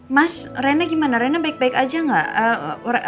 mas rena gimana rena baik baik aja nggak